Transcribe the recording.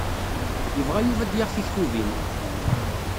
Yebɣa Yuba ad d-yaɣ tiktubin.